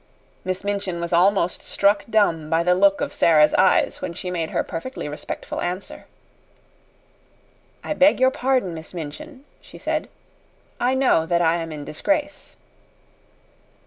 Miss Minchin was almost struck dumb by the look of Sara's eyes when she made her perfectly respectful answer. "I beg your pardon, Miss Minchin," she said; "I know that I am in disgrace."